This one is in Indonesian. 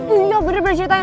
iya bener bener ceritain